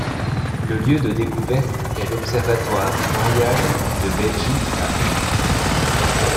Le lieu de découverte est l'observatoire royal de Belgique à Uccle.